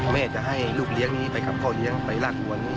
แม่จะให้ลูกเลี้ยงนี้ไปกับพ่อเลี้ยงไปลากหวน